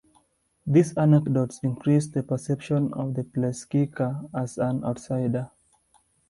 These anecdotes increase the perception of the placekicker as an outsider.